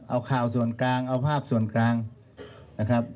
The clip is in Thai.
เอาข่าวส่วนกลางเอาภาพส่วนกลางนะครับ